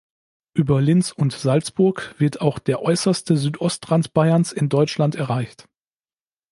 Über Linz und Salzburg wird auch der äußerste Südostrand Bayerns in Deutschland erreicht.